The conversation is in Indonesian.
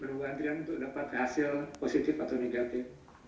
perlu antrian untuk dapat hasil positif atau negatif